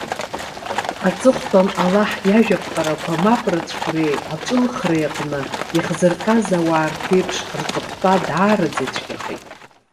Аҵыхәтәан, Аллаҳ иажәаԥҟарақәа мап рыцәкреи аҵәылхреи аҟны иахзырҟьаз ауаа рԥеиԥш, рҵыхәтәа даараӡа ицәгьахеит.